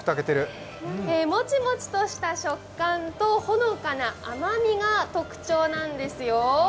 もちもちとした食感とほのかな甘みが特徴なんですよ。